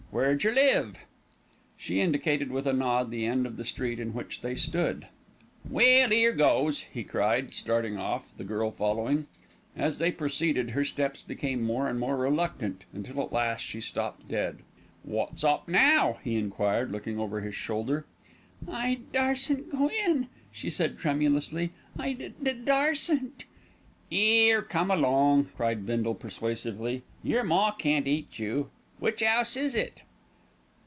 Where jer live?" She indicated with a nod the end of the street in which they stood. "Well, 'ere goes," he cried, starting off, the girl following. As they proceeded, her steps became more and more reluctant, until at last she stopped dead. "'Wot's up now?" he enquired, looking over his shoulder. "I darsen't go in," she said tremulously. "I d d darsen't." "'Ere, come along," cried Bindle persuasively. "Your ma can't eat you. Which 'ouse is it?"